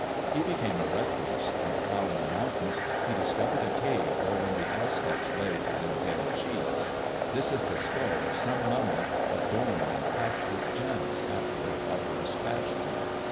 He became a recluse, and while in the mountains he discovered a cave wherein the Aztecs laid their dead chiefs. This is the skull of some mummy, adorned and packed with gems after their barbarous fashion."